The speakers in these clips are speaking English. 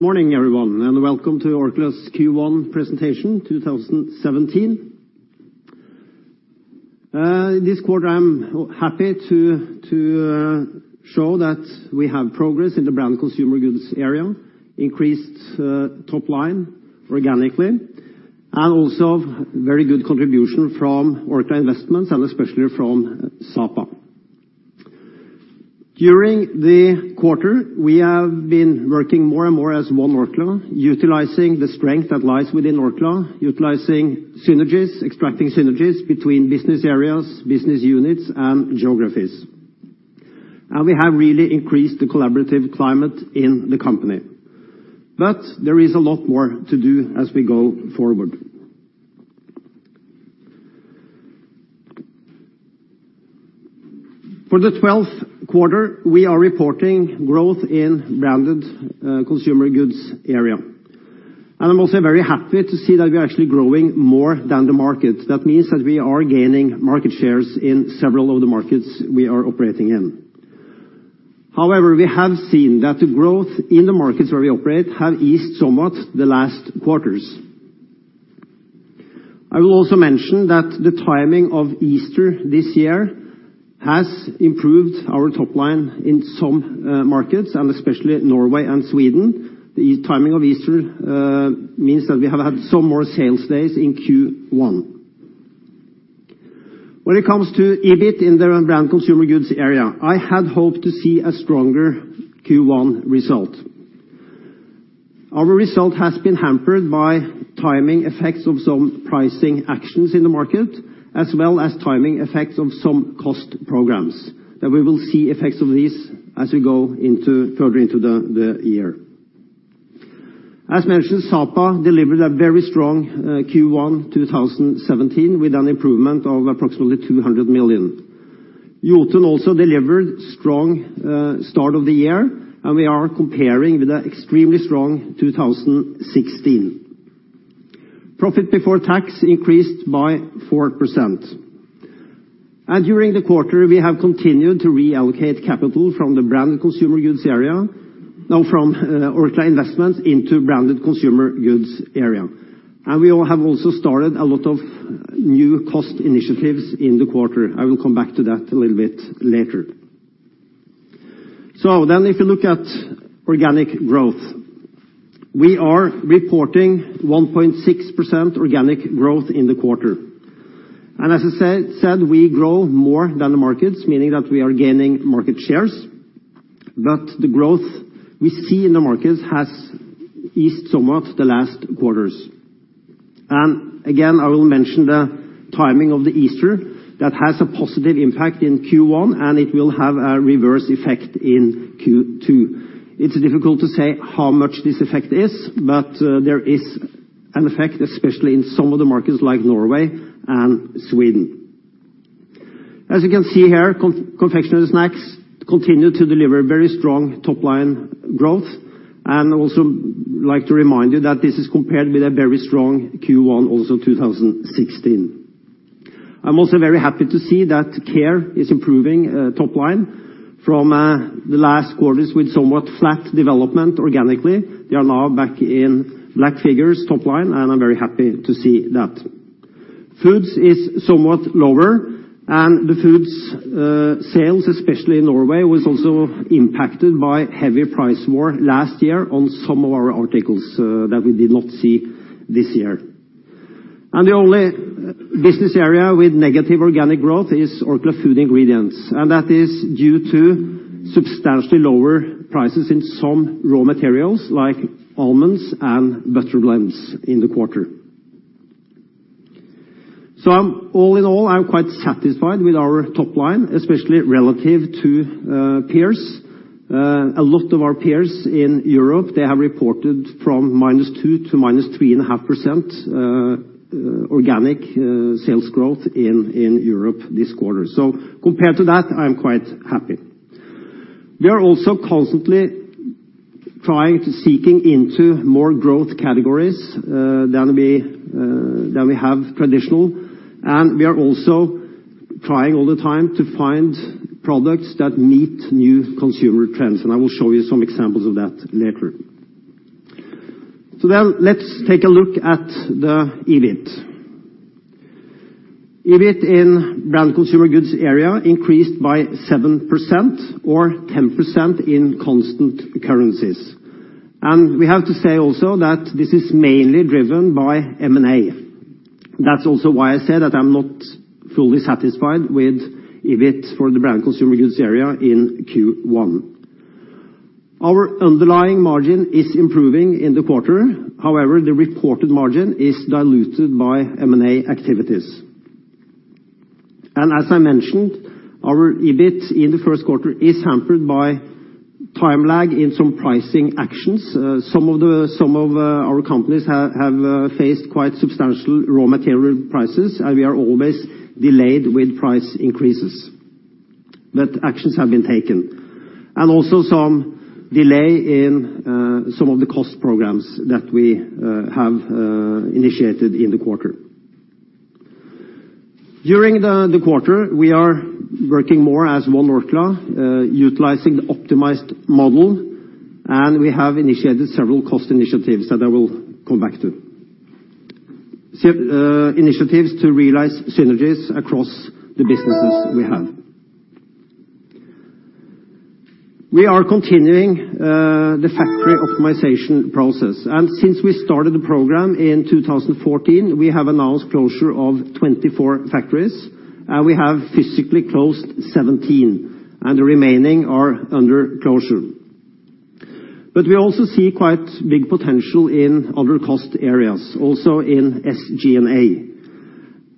Morning, everyone. Welcome to Orkla's Q1 presentation 2017. This quarter, I'm happy to show that we have progress in the Branded Consumer Goods area, increased top line organically, and also very good contribution from Orkla Investments and especially from Sapa. During the quarter, we have been working more and more as One Orkla, utilizing the strength that lies within Orkla, utilizing synergies, extracting synergies between business areas, business units, and geographies. We have really increased the collaborative climate in the company. There is a lot more to do as we go forward. For the 12th quarter, we are reporting growth in Branded Consumer Goods area. I'm also very happy to see that we're actually growing more than the market. That means that we are gaining market shares in several of the markets we are operating in. However, we have seen that the growth in the markets where we operate have eased somewhat the last quarters. I will also mention that the timing of Easter this year has improved our top line in some markets, and especially Norway and Sweden. The timing of Easter means that we have had some more sales days in Q1. When it comes to EBIT in the Branded Consumer Goods area, I had hoped to see a stronger Q1 result. Our result has been hampered by timing effects of some pricing actions in the market, as well as timing effects of some cost programs, that we will see effects of these as we go further into the year. As mentioned, Sapa delivered a very strong Q1 2017 with an improvement of approximately 200 million. Jotun also delivered strong start of the year. We are comparing with the extremely strong 2016. Profit before tax increased by 4%. During the quarter, we have continued to reallocate capital from Orkla Investments into Branded Consumer Goods area. We have also started a lot of new cost initiatives in the quarter. If you look at organic growth, we are reporting 1.6% organic growth in the quarter. As I said, we grow more than the markets, meaning that we are gaining market shares, but the growth we see in the markets has eased somewhat the last quarters. Again, I will mention the timing of the Easter that has a positive impact in Q1, and it will have a reverse effect in Q2. It's difficult to say how much this effect is, but there is an effect, especially in some of the markets like Norway and Sweden. As you can see here, Confectionery & Snacks continue to deliver very strong top-line growth. Also like to remind you that this is compared with a very strong Q1 also 2016. I'm also very happy to see that Care is improving top line from the last quarters with somewhat flat development organically. They are now back in black figures top line, and I'm very happy to see that. Foods is somewhat lower, and the Foods sales, especially in Norway, was also impacted by heavy price war last year on some of our articles that we did not see this year. The only business area with negative organic growth is Orkla Food Ingredients, and that is due to substantially lower prices in some raw materials like almonds and butter blends in the quarter. All in all, I'm quite satisfied with our top line, especially relative to peers. A lot of our peers in Europe, they have reported from -2% to -3.5% organic sales growth in Europe this quarter. Compared to that, I'm quite happy. We are also constantly trying to seeking into more growth categories than we have traditional, and we are also trying all the time to find products that meet new consumer trends, and I will show you some examples of that later. Let's take a look at the EBIT. EBIT in Branded Consumer Goods area increased by 7% or 10% in constant currencies. We have to say also that this is mainly driven by M&A. That's also why I said that I'm not fully satisfied with EBIT for the Branded Consumer Goods area in Q1. Our underlying margin is improving in the quarter. However, the reported margin is diluted by M&A activities. As I mentioned, our EBIT in the first quarter is hampered by time lag in some pricing actions. Some of our companies have faced quite substantial raw material prices, and we are always delayed with price increases. Actions have been taken, and also some delay in some of the cost programs that we have initiated in the quarter. During the quarter, we are working more as One Orkla, utilizing the optimized model, and we have initiated several cost initiatives that I will come back to. Initiatives to realize synergies across the businesses we have. We are continuing the factory optimization process, and since we started the program in 2014, we have announced closure of 24 factories. We have physically closed 17, and the remaining are under closure. We also see quite big potential in other cost areas, also in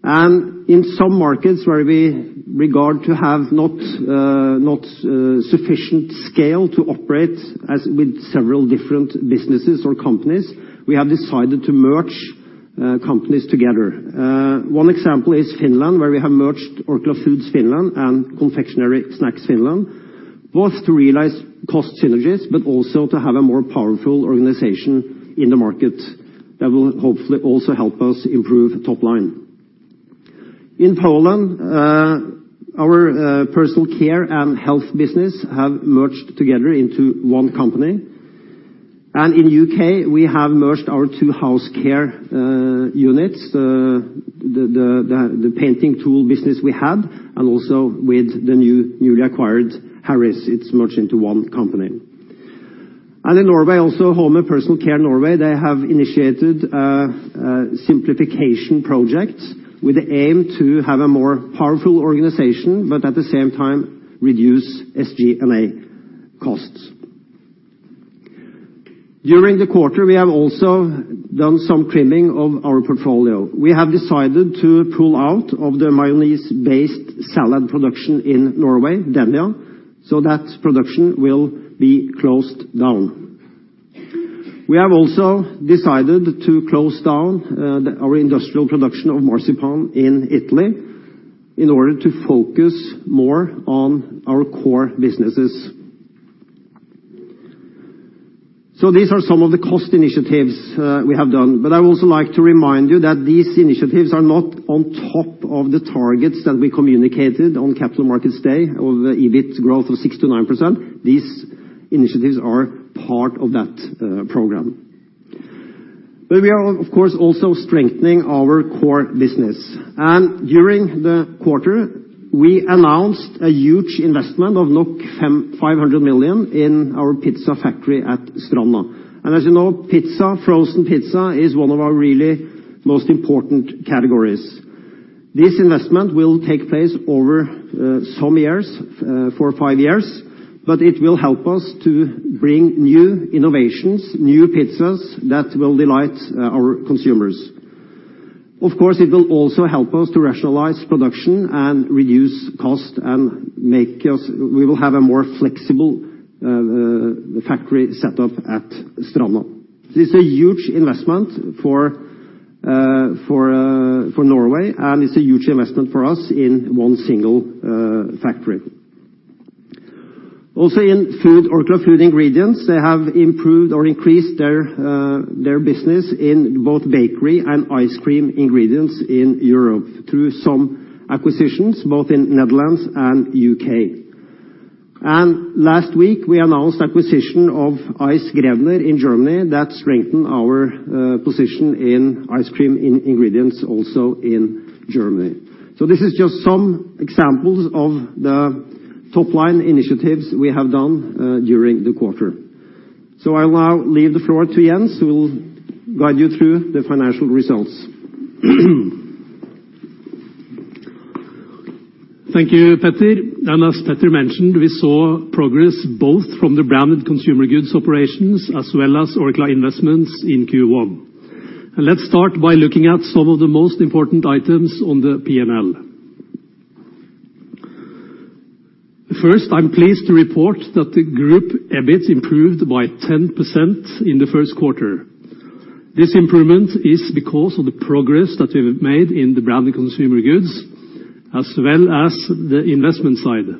SG&A. In some markets where we regard to have not sufficient scale to operate as with several different businesses or companies, we have decided to merge companies together. One example is Finland, where we have merged Orkla Foods Finland and Confectionery Snacks Finland, both to realize cost synergies but also to have a more powerful organization in the market that will hopefully also help us improve top line. In Poland, our personal care and health business have merged together into one company. In U.K., we have merged our two house care units, the painting tool business we have, and also with the newly acquired Harris, it's merged into one company. In Norway, also Home and Personal Care Norway, they have initiated a simplification project with the aim to have a more powerful organization but at the same time reduce SG&A costs. During the quarter, we have also done some trimming of our portfolio. We have decided to pull out of the mayonnaise-based salad production in Norway, Denja, so that production will be closed down. We have also decided to close down our industrial production of marzipan in Italy in order to focus more on our core businesses. These are some of the cost initiatives we have done. I would also like to remind you that these initiatives are not on top of the targets that we communicated on Capital Markets Day of EBIT growth of 6%-9%. These initiatives are part of that program. We are, of course, also strengthening our core business. During the quarter, we announced a huge investment of NOK 500 million in our pizza factory at Stranda. As you know, frozen pizza is one of our really most important categories. This investment will take place over some years, four or five years, but it will help us to bring new innovations, new pizzas that will delight our consumers. Of course, it will also help us to rationalize production and reduce cost, and we will have a more flexible factory set up at Stranda. This is a huge investment for Norway, and it's a huge investment for us in one single factory. Also in Orkla Food Ingredients, they have improved or increased their business in both bakery and ice cream ingredients in Europe through some acquisitions, both in Netherlands and U.K. Last week, we announced acquisition of Eis Gräbner in Germany that strengthen our position in ice cream ingredients also in Germany. This is just some examples of the top-line initiatives we have done during the quarter. I will now leave the floor to Jens, who will guide you through the financial results. Thank you, Peter. As Peter mentioned, we saw progress both from the Branded Consumer Goods operations as well as Orkla Investments in Q1. Let's start by looking at some of the most important items on the P&L. First, I'm pleased to report that the group EBIT improved by 10% in the first quarter. This improvement is because of the progress that we've made in the Branded Consumer Goods, as well as the investment side.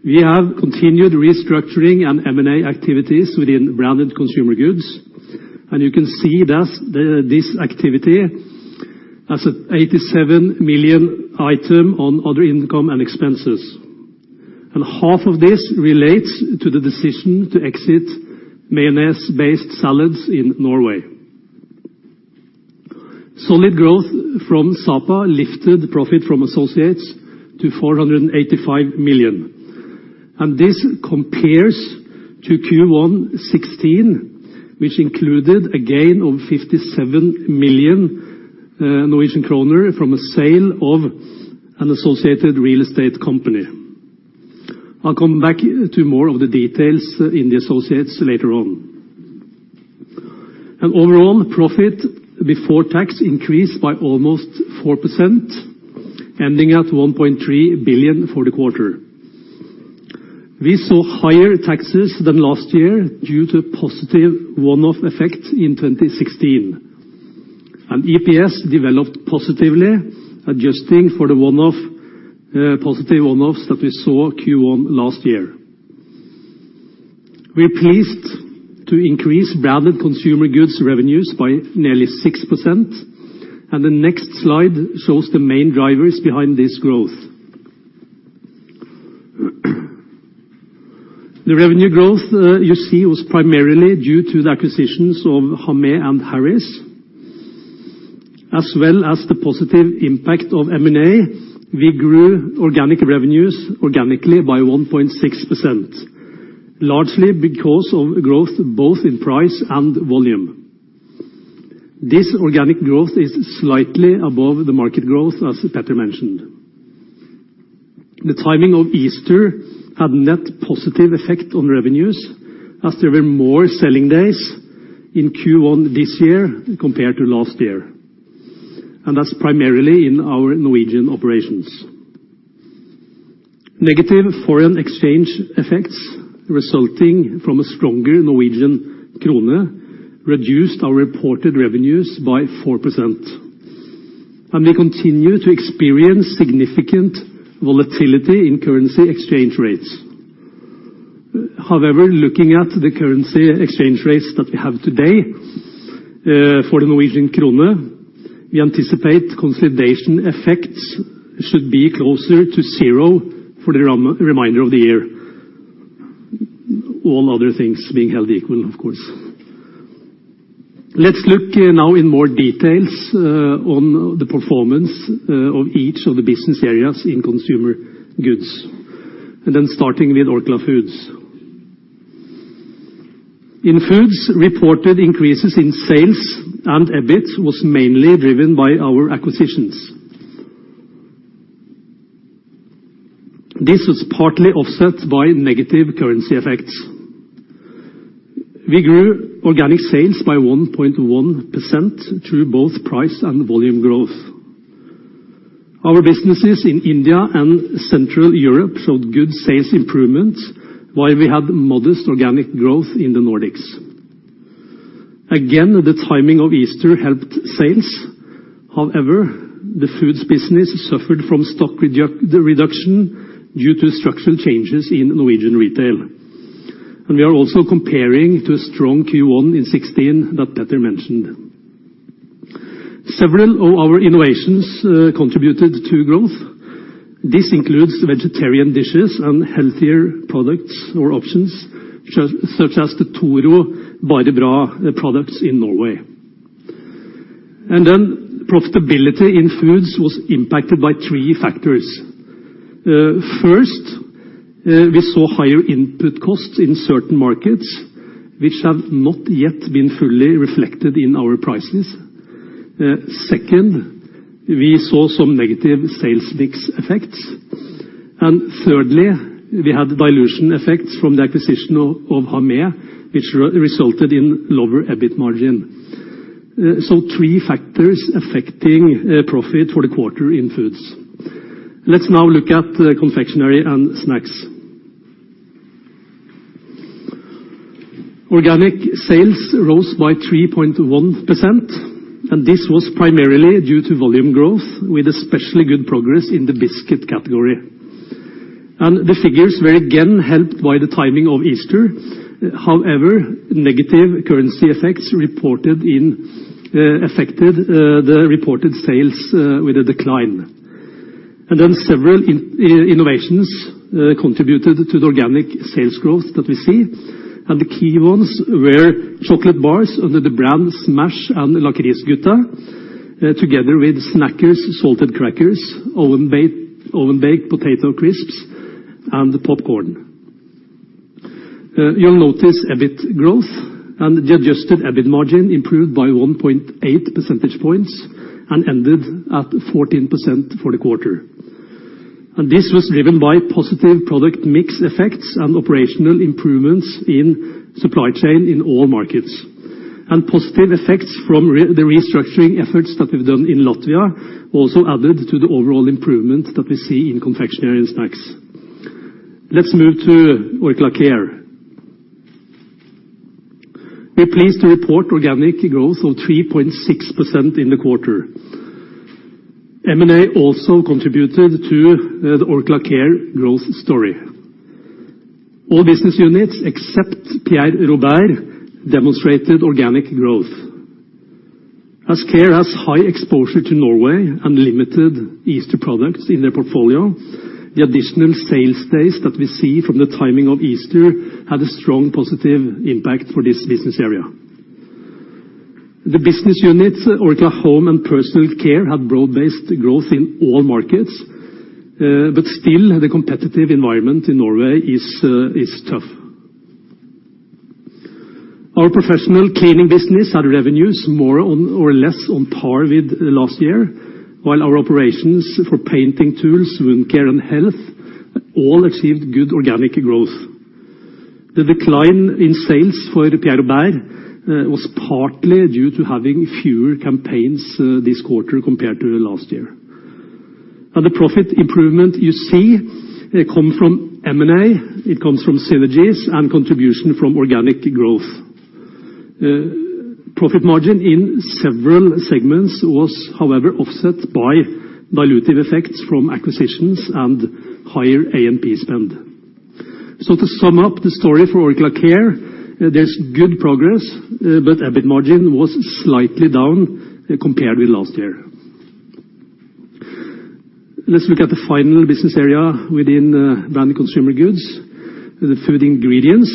We have continued restructuring and M&A activities within Branded Consumer Goods, and you can see this activity as a 87 million item on other income and expenses. Half of this relates to the decision to exit mayonnaise-based salads in Norway. Solid growth from Sapa lifted profit from associates to 485 million. This compares to Q1 2016, which included a gain of 57 million Norwegian kroner from a sale of an associated real estate company. I'll come back to more of the details in the associates later on. Overall, profit before tax increased by almost 4%, ending at 1.3 billion for the quarter. We saw higher taxes than last year due to positive one-off effect in 2016. EPS developed positively, adjusting for the positive one-offs that we saw Q1 2016. We are pleased to increase Branded Consumer Goods revenues by nearly 6%, and the next slide shows the main drivers behind this growth. The revenue growth you see was primarily due to the acquisitions of Hamé and Harris, as well as the positive impact of M&A. We grew organic revenues organically by 1.6%, largely because of growth both in price and volume. This organic growth is slightly above the market growth, as Petter mentioned. The timing of Easter had net positive effect on revenues, as there were more selling days in Q1 this year compared to last year, and that's primarily in our Norwegian operations. Negative foreign exchange effects resulting from a stronger NOK reduced our reported revenues by 4%, and we continue to experience significant volatility in currency exchange rates. However, looking at the currency exchange rates that we have today, for the NOK, we anticipate consolidation effects should be closer to zero for the remainder of the year. All other things being held equal, of course. Let's look now in more details on the performance of each of the business areas in Consumer Goods, starting with Orkla Foods. In Foods, reported increases in sales and EBIT was mainly driven by our acquisitions. This was partly offset by negative currency effects. We grew organic sales by 1.1% through both price and volume growth. Our businesses in India and Central Europe showed good sales improvement, while we had modest organic growth in the Nordics. Again, the timing of Easter helped sales. However, the foods business suffered from stock reduction due to structural changes in Norwegian retail, and we are also comparing to a strong Q1 in 2016 that Petter mentioned. Several of our innovations contributed to growth. This includes vegetarian dishes and healthier products or options, such as the Toro Bare Bra products in Norway. Profitability in Foods was impacted by three factors. First, we saw higher input costs in certain markets which have not yet been fully reflected in our prices. Second, we saw some negative sales mix effects. Thirdly, we had dilution effects from the acquisition of Hamé, which resulted in lower EBIT margin. Three factors affecting profit for the quarter in Foods. Let's now look at Confectionery and Snacks. Organic sales rose by 3.1%. This was primarily due to volume growth with especially good progress in the biscuit category. The figures were again helped by the timing of Easter. However, negative currency effects affected the reported sales with a decline. Several innovations contributed to the organic sales growth that we see, and the key ones were chocolate bars under the brands Smash! and Lakrisgutta, together with Snackers salted crackers, oven-baked potato crisps, and popcorn. You'll notice EBIT growth and the adjusted EBIT margin improved by 1.8 percentage points and ended at 14% for the quarter. This was driven by positive product mix effects and operational improvements in supply chain in all markets. Positive effects from the restructuring efforts that we've done in Latvia also added to the overall improvement that we see in Confectionery and Snacks. Let's move to Orkla Care. We're pleased to report organic growth of 3.6% in the quarter. M&A also contributed to the Orkla Care growth story. All business units except Pierre Robert demonstrated organic growth. As Care has high exposure to Norway and limited Easter products in their portfolio, the additional sales days that we see from the timing of Easter had a strong positive impact for this business area. The business units Orkla Home & Personal Care had broad-based growth in all markets, but still, the competitive environment in Norway is tough. Our professional cleaning business had revenues more or less on par with last year, while our operations for painting tools, wound care, and health all achieved good organic growth. The decline in sales for Pierre Robert was partly due to having fewer campaigns this quarter compared to last year. The profit improvement you see come from M&A, it comes from synergies and contribution from organic growth. Profit margin in several segments was, however, offset by dilutive effects from acquisitions and higher A&P spend. To sum up the story for Orkla Care, there's good progress, but EBIT margin was slightly down compared with last year. Let's look at the final business area within Branded Consumer Goods, the food ingredients.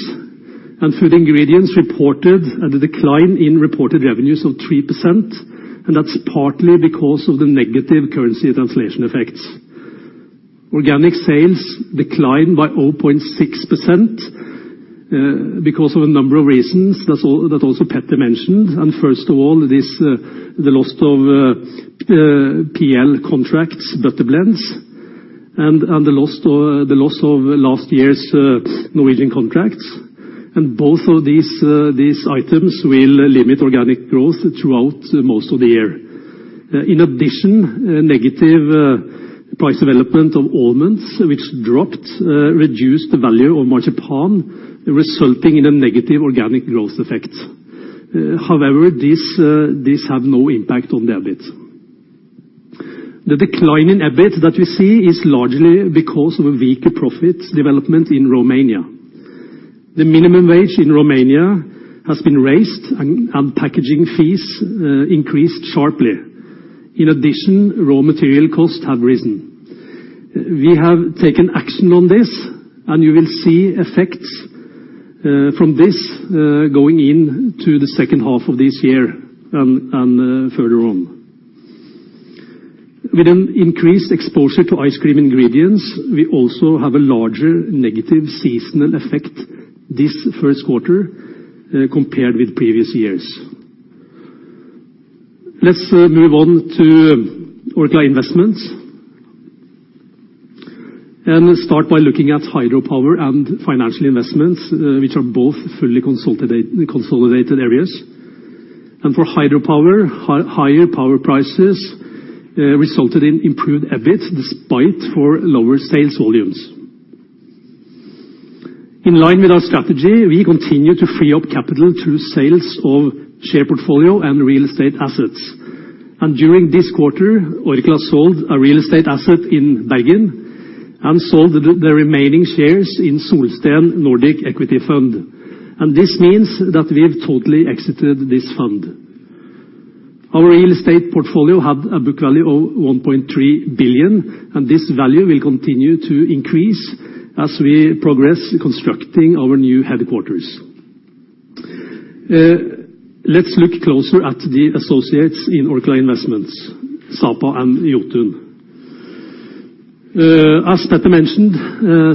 Food ingredients reported a decline in reported revenues of 3%, and that's partly because of the negative currency translation effects. Organic sales declined by 0.6% because of a number of reasons that also Petter mentioned and first of all, the loss of PL contracts butter blends and the loss of last year's Norwegian contracts. Both of these items will limit organic growth throughout most of the year. In addition, negative price development of almonds, which dropped, reduced the value of marzipan, resulting in a negative organic growth effect. However, these have no impact on the EBIT. The decline in EBIT that we see is largely because of a weaker profit development in Romania. The minimum wage in Romania has been raised, and packaging fees increased sharply. In addition, raw material costs have risen. We have taken action on this, and you will see effects from this going into the second half of this year and further on. With an increased exposure to ice cream ingredients, we also have a larger negative seasonal effect this first quarter compared with previous years. Let's move on to Orkla Investments and start by looking at hydropower and financial investments, which are both fully consolidated areas. For hydropower, higher power prices resulted in improved EBIT despite lower sales volumes. In line with our strategy, we continue to free up capital through sales of share portfolio and real estate assets. During this quarter, Orkla sold a real estate asset in Belgium and sold the remaining shares in Solsten Nordic Equity Fund. This means that we've totally exited this fund. Our real estate portfolio had a book value of 1.3 billion, and this value will continue to increase as we progress constructing our new headquarters. Let's look closer at the associates in Orkla Investments, Sapa and Jotun. As Petter mentioned,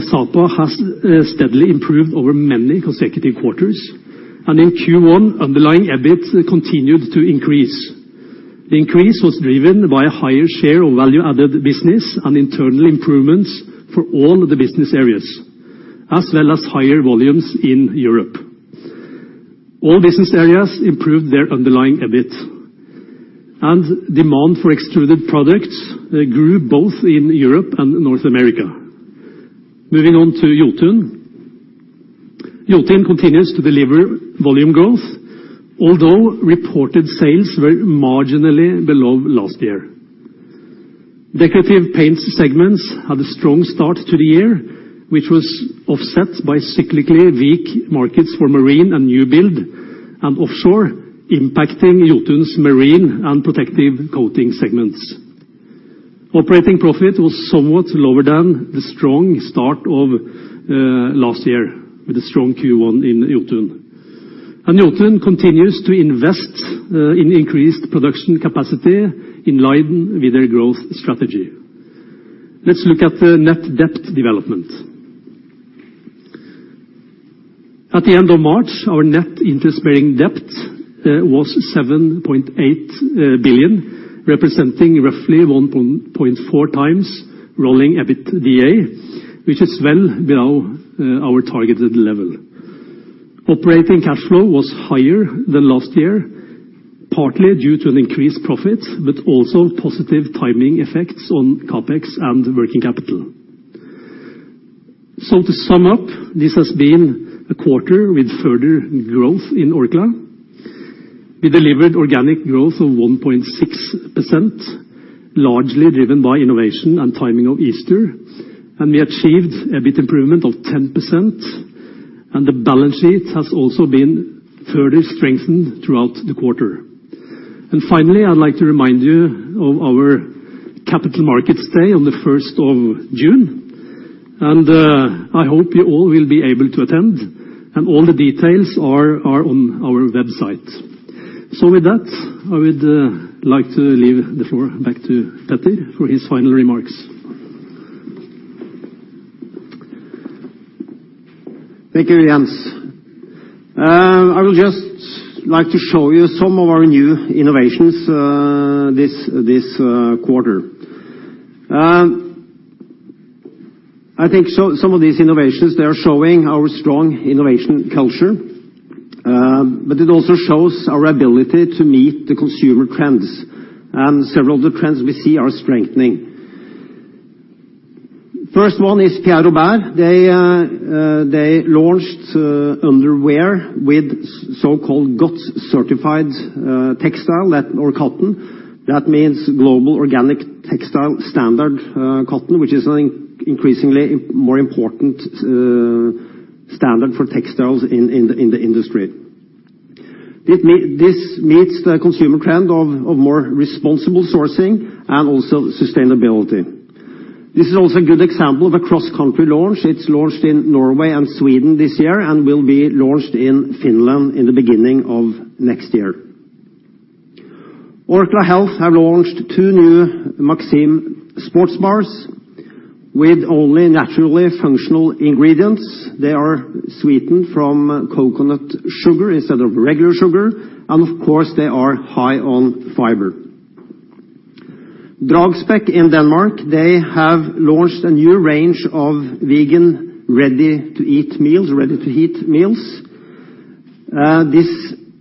Sapa has steadily improved over many consecutive quarters, and in Q1, underlying EBIT continued to increase. The increase was driven by a higher share of value-added business and internal improvements for all the business areas, as well as higher volumes in Europe. All business areas improved their underlying EBIT. Demand for extruded products grew both in Europe and North America. Moving on to Jotun. Jotun continues to deliver volume growth, although reported sales were marginally below last year. Decorative paints segments had a strong start to the year, which was offset by cyclically weak markets for marine and new build and offshore, impacting Jotun's marine and protective coating segments. Operating profit was somewhat lower than the strong start of last year with a strong Q1 in Jotun. Jotun continues to invest in increased production capacity in line with their growth strategy. Let's look at the net debt development. At the end of March, our net interest-bearing debt was 7.8 billion, representing roughly 1.4 times rolling EBITDA, which is well below our targeted level. Operating cash flow was higher than last year, partly due to an increased profit, but also positive timing effects on CapEx and working capital. To sum up, this has been a quarter with further growth in Orkla. We delivered organic growth of 1.6%, largely driven by innovation and timing of Easter, and we achieved EBIT improvement of 10%, and the balance sheet has also been further strengthened throughout the quarter. Finally, I'd like to remind you of our Capital Markets Day on the 1st of June, and I hope you all will be able to attend, and all the details are on our website. With that, I would like to leave the floor back to Petter for his final remarks. Thank you, Jens. I would just like to show you some of our new innovations this quarter. I think some of these innovations, they are showing our strong innovation culture, but it also shows our ability to meet the consumer trends, and several of the trends we see are strengthening. First one is Pierre Robert. They launched underwear with so-called GOTS certified textile or cotton. That means Global Organic Textile Standard cotton, which is an increasingly more important standard for textiles in the industry. This meets the consumer trend of more responsible sourcing and also sustainability. This is also a good example of a cross-country launch. It's launched in Norway and Sweden this year and will be launched in Finland in the beginning of next year. Orkla Health have launched two new Maxim sports bars with only naturally functional ingredients. They are sweetened from coconut sugar instead of regular sugar, and of course, they are high on fiber. Dragsbæk in Denmark, they have launched a new range of vegan, ready-to-eat meals, ready-to-heat meals. This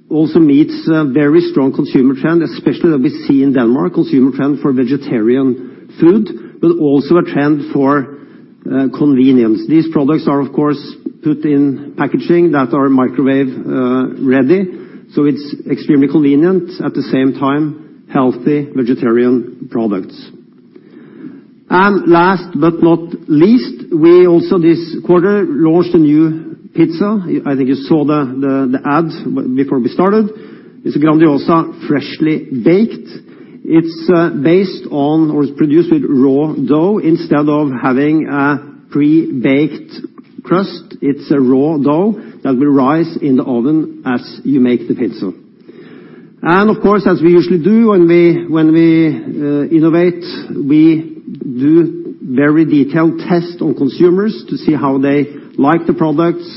also meets a very strong consumer trend, especially that we see in Denmark, consumer trend for vegetarian food, but also a trend for convenience. These products are, of course, put in packaging that are microwave ready, so it's extremely convenient, at the same time, healthy vegetarian products. Last but not least, we also this quarter launched a new pizza. I think you saw the ad before we started. It's Grandiosa Freshly Baked. It's produced with raw dough. Instead of having a pre-baked crust, it's a raw dough that will rise in the oven as you make the pizza. Of course, as we usually do when we innovate, we do very detailed tests on consumers to see how they like the products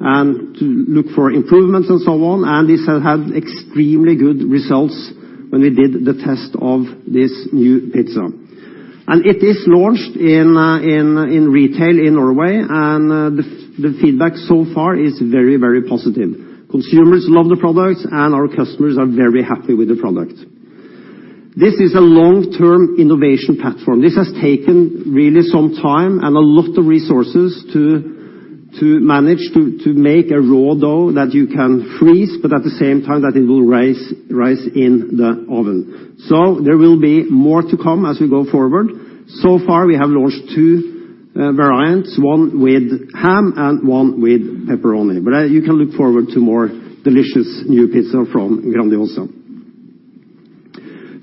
and to look for improvements and so on. This had extremely good results when we did the test of this new pizza. It is launched in retail in Norway, and the feedback so far is very positive. Consumers love the product, and our customers are very happy with the product. This is a long-term innovation platform. This has taken really some time and a lot of resources to manage to make a raw dough that you can freeze, but at the same time that it will rise in the oven. There will be more to come as we go forward. So far, we have launched two variants, one with ham and one with pepperoni. You can look forward to more delicious new pizza from Grandiosa.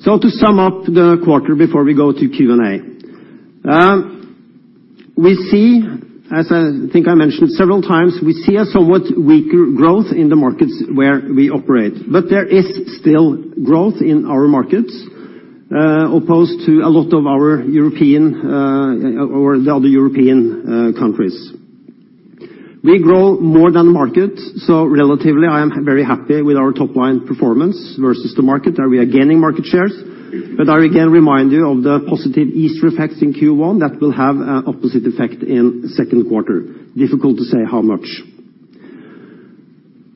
To sum up the quarter before we go to Q&A. We see, as I think I mentioned several times, we see a somewhat weaker growth in the markets where we operate. There is still growth in our markets, opposed to a lot of our European or the other European countries. We grow more than the market, so relatively, I am very happy with our top-line performance versus the market, and we are gaining market shares. I again remind you of the positive Easter effects in Q1 that will have an opposite effect in second quarter. Difficult to say how much.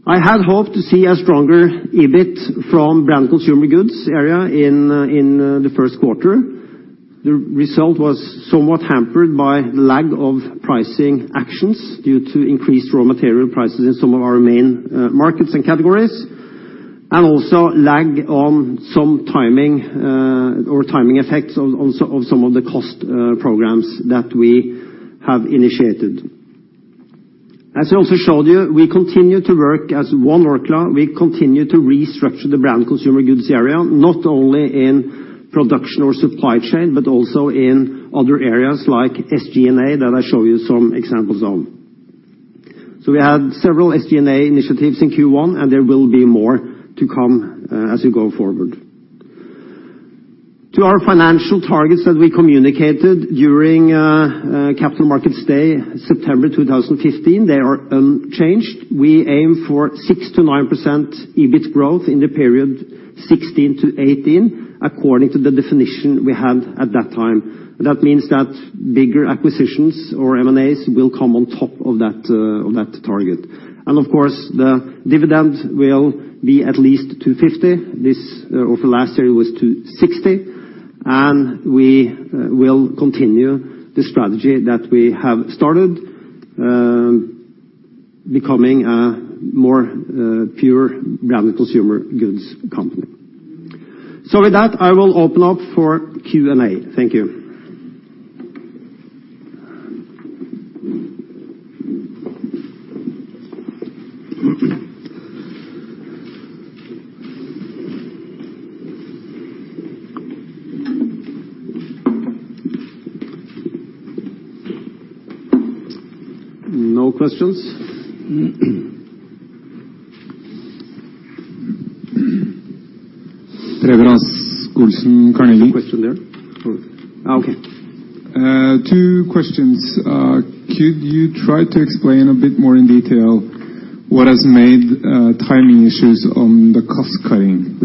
I had hoped to see a stronger EBIT from Branded Consumer Goods area in the first quarter. The result was somewhat hampered by the lag of pricing actions due to increased raw material prices in some of our main markets and categories, and also lag on some timing, or timing effects of some of the cost programs that we have initiated. As I also showed you, we continue to work as One Orkla. We continue to restructure the Branded Consumer Goods area, not only in production or supply chain, but also in other areas like SG&A that I show you some examples of. We had several SG&A initiatives in Q1, and there will be more to come as we go forward. To our financial targets that we communicated during Capital Markets Day, September 2015, they are unchanged. We aim for 6%-9% EBIT growth in the period 2016-2018, according to the definition we had at that time. That means that bigger acquisitions or M&As will come on top of that target. Of course, the dividend will be at least 2.50. This, over last year, it was 2.60. We will continue the strategy that we have started, becoming a more pure Branded Consumer Goods company. With that, I will open up for Q&A. Thank you. No questions? Preben Rasch-Olsen, Carnegie. Question there. Okay. Two questions. Could you try to explain a bit more in detail what has made timing issues on the cost-cutting,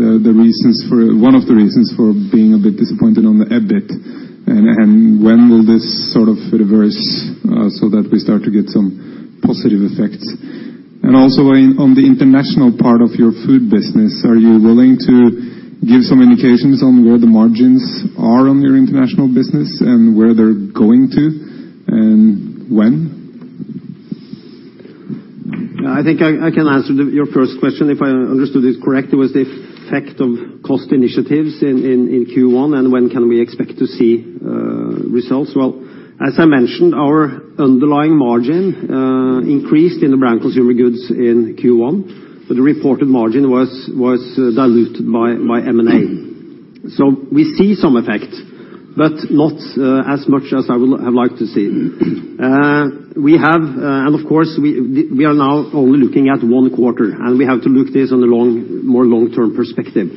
one of the reasons for being a bit disappointed on the EBIT? When will this reverse so that we start to get some positive effects? Also on the international part of your food business, are you willing to give some indications on where the margins are on your international business and where they're going to, and when? I think I can answer your first question if I understood it correctly, was the effect of cost initiatives in Q1 and when can we expect to see results? As I mentioned, our underlying margin increased in the Branded Consumer Goods in Q1, but the reported margin was diluted by M&A. We see some effect, but not as much as I would have liked to see. Of course, we are now only looking at one quarter, and we have to look this on a more long-term perspective.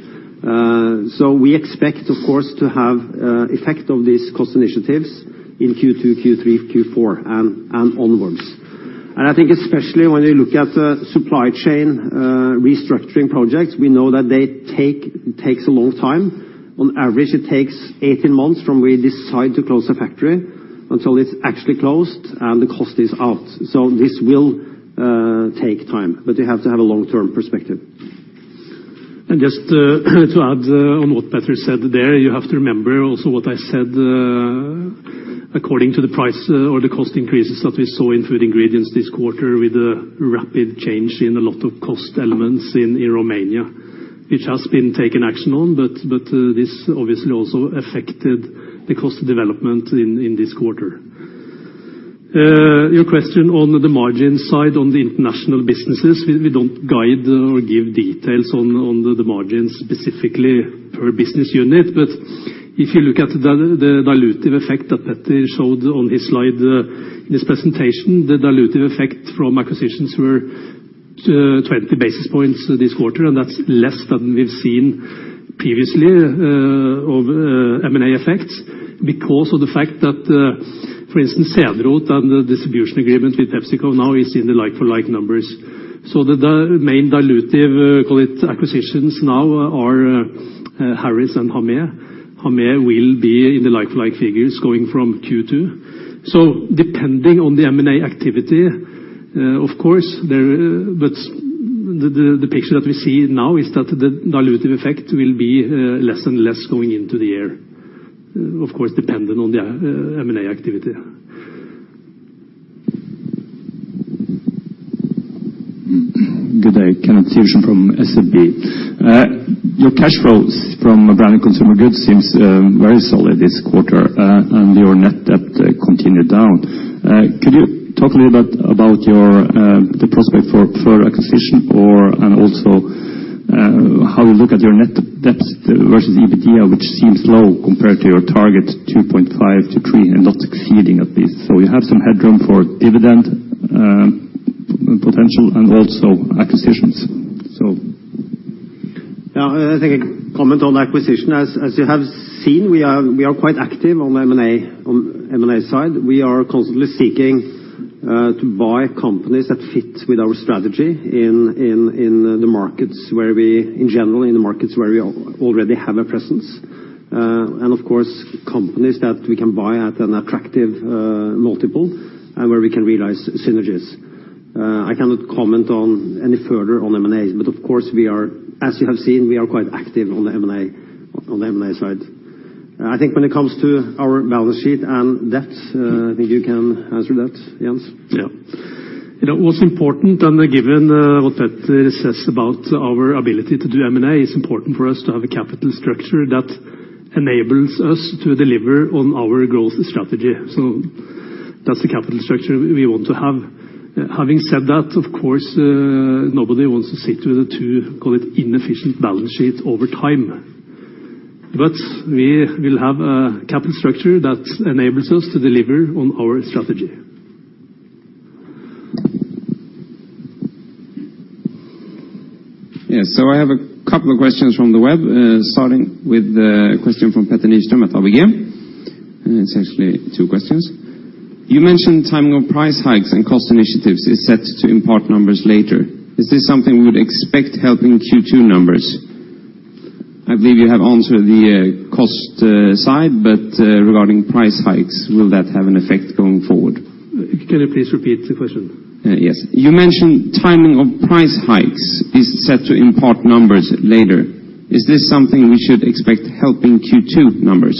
We expect, of course, to have effect of these cost initiatives in Q2, Q3, Q4, and onwards. I think especially when you look at the supply chain restructuring projects, we know that they take a long time. On average, it takes 18 months from we decide to close a factory until it's actually closed and the cost is out. This will take time, but you have to have a long-term perspective. Just to add on what Petter said there, you have to remember also what I said according to the price or the cost increases that we saw in food ingredients this quarter with the rapid change in a lot of cost elements in Romania. Which has been taken action on, but this obviously also affected the cost development in this quarter. Your question on the margin side on the international businesses, we don't guide or give details on the margins specifically per business unit. If you look at the dilutive effect that Petter showed on his slide in his presentation, the dilutive effect from acquisitions were 20 basis points this quarter, and that's less than we've seen previously of M&A effects because of the fact that, for instance, Cederroth and the distribution agreement with PepsiCo now is in the like-for-like numbers. The main dilutive, call it acquisitions now are Harris and Hamé. Hamé will be in the like-for-like figures going from Q2. Depending on the M&A activity, of course, the picture that we see now is that the dilutive effect will be less and less going into the year, of course, dependent on the M&A activity. Good day. Kenneth Taraldsen from SEB. Your cash flows from Branded Consumer Goods seems very solid this quarter, and your net debt continued down. Could you talk a little bit about the prospect for further acquisition and also how you look at your net debt versus EBITDA, which seems low compared to your target 2.5-3 and not exceeding at this. You have some headroom for dividend potential and also acquisitions. I think I comment on the acquisition. As you have seen, we are quite active on the M&A side. We are constantly seeking to buy companies that fit with our strategy in general, in the markets where we already have a presence. Of course, companies that we can buy at an attractive multiple and where we can realize synergies. I cannot comment on any further on M&A, of course, as you have seen, we are quite active on the M&A side. I think when it comes to our balance sheet and debts, I think you can answer that, Jens. Yeah. What's important, and given what Petter says about our ability to do M&A, it's important for us to have a capital structure that enables us to deliver on our growth strategy. That's the capital structure we want to have. Having said that, of course, nobody wants to sit with a too, call it inefficient balance sheet over time. We will have a capital structure that enables us to deliver on our strategy. Yes. I have a couple of questions from the web, starting with a question from Petter Nystrøm at ABG. It's actually two questions. You mentioned timing of price hikes and cost initiatives is set to import numbers later. Is this something we would expect help in Q2 numbers? I believe you have answered the cost side, but regarding price hikes, will that have an effect going forward? Can you please repeat the question? Yes. You mentioned timing of price hikes is set to import numbers later. Is this something we should expect help in Q2 numbers?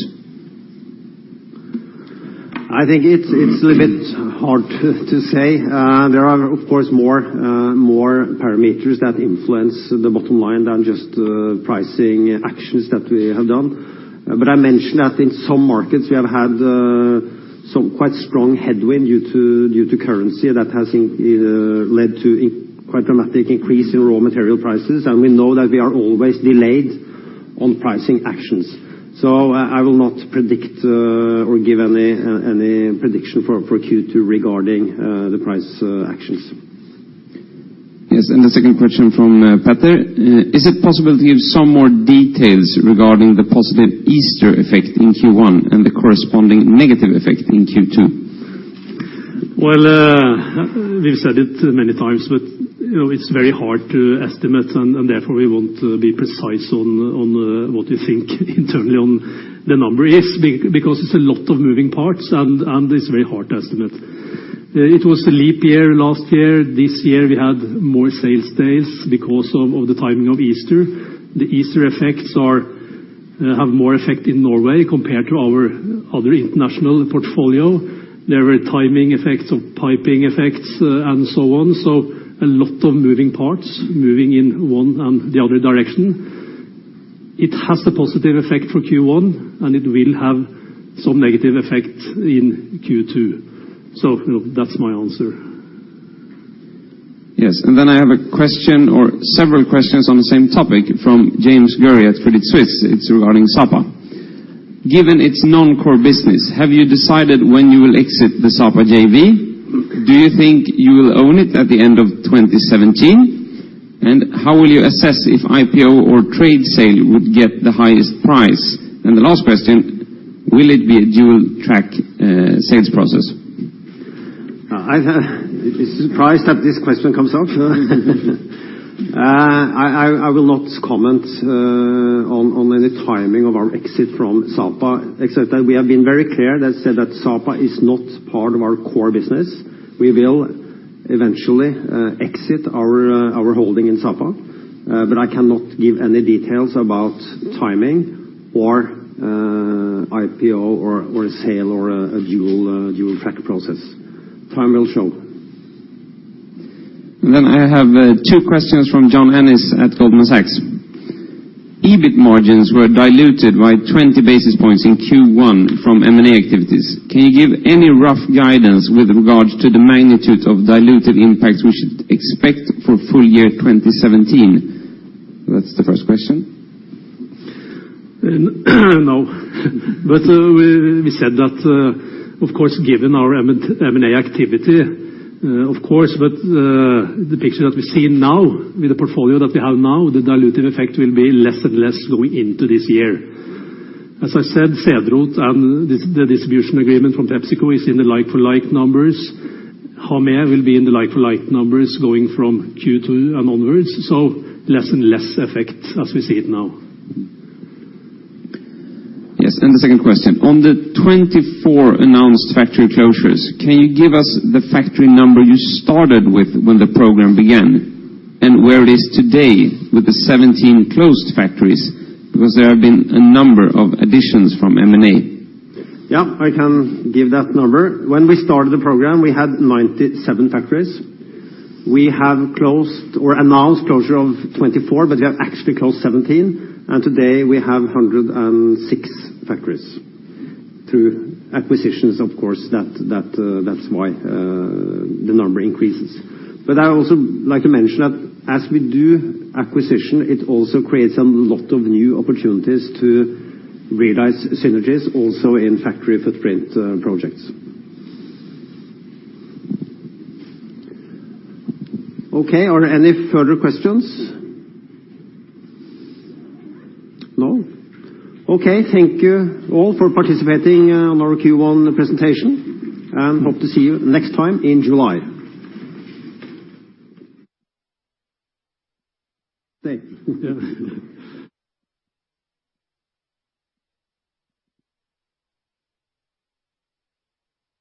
I think it's a little bit hard to say. There are, of course, more parameters that influence the bottom line than just pricing actions that we have done. I mentioned that in some markets, we have had some quite strong headwind due to currency that has led to quite dramatic increase in raw material prices. We know that we are always delayed on pricing actions. I will not predict or give any prediction for Q2 regarding the price actions. Yes, the second question from Petter. Is it possible to give some more details regarding the positive Easter effect in Q1 and the corresponding negative effect in Q2? Well, we've said it many times, but it's very hard to estimate, and therefore we want to be precise on what we think internally on the number is, because it's a lot of moving parts and it's very hard to estimate. It was a leap year last year. This year we had more sales days because of the timing of Easter. The Easter effects have more effect in Norway compared to our other international portfolio. There were timing effects of piping effects and so on. A lot of moving parts, moving in one and the other direction. It has the positive effect for Q1, and it will have some negative effect in Q2. That's my answer. Yes. Then I have a question or several questions on the same topic from James Gurry at Credit Suisse. It's regarding Sapa. Given its non-core business, have you decided when you will exit the Sapa JV? Do you think you will own it at the end of 2017? How will you assess if IPO or trade sale would get the highest price? The last question, will it be a dual-track sales process? I'm surprised that this question comes up. I will not comment on any timing of our exit from Sapa, et cetera. We have been very clear that Sapa is not part of our core business. We will eventually exit our holding in Sapa. I cannot give any details about timing or IPO or a sale or a dual-track process. Time will show. I have two questions from John Ennis at Goldman Sachs. EBIT margins were diluted by 20 basis points in Q1 from M&A activities. Can you give any rough guidance with regard to the magnitude of diluted impacts we should expect for full year 2017? That's the first question. We said that given our M&A activity, the picture that we see now with the portfolio that we have now, the dilutive effect will be less and less going into this year. As I said, Cederroth and the distribution agreement from PepsiCo is in the like-for-like numbers. Hamé will be in the like-for-like numbers going from Q2 and onwards, so less and less effect as we see it now. The second question. On the 24 announced factory closures, can you give us the factory number you started with when the program began and where it is today with the 17 closed factories? Because there have been a number of additions from M&A. I can give that number. When we started the program, we had 97 factories. We have closed or announced closure of 24, but we have actually closed 17, and today we have 106 factories through acquisitions, that's why the number increases. I also like to mention that as we do acquisition, it also creates a lot of new opportunities to realize synergies also in factory footprint projects. Are there any further questions? Thank you all for participating on our Q1 presentation, and hope to see you next time in July. Stay.